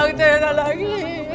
aku sudah bangun